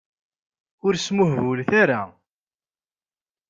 Ur smuhbulet ara.